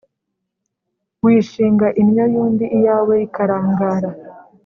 Wishinga innyo y’undi iyawe ikarangara.